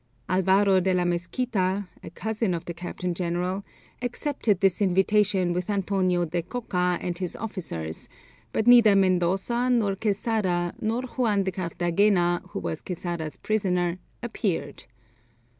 Alvaro de la Mesquita, a cousin of the captain general, accepted this invitation with Antonio de Coca and his officers, but neither Mendoza nor Quesada, nor Juan de Carthagena, who was Quesada's prisoner, appeared.